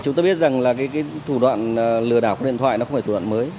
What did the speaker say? chúng ta biết rằng là cái thủ đoạn lừa đảo qua điện thoại nó không phải thủ đoạn mới